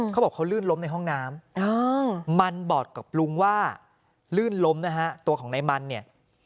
เขาบอกเขาลื่นล้มในห้องน้ำมันบอกกับลุงว่าลื่นล้มนะฮะตัวของนายมันเนี่ย